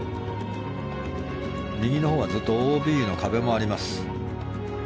右のほうはずっとＯＢの壁もあります。